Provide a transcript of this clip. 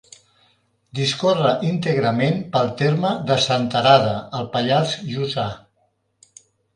Discorre íntegrament pel terme de Senterada, al Pallars Jussà.